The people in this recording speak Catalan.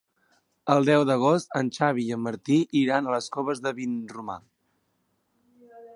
El deu d'agost en Xavi i en Martí iran a les Coves de Vinromà.